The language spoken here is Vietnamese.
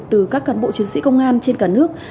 từ các cán bộ chiến sĩ công an trên cả nước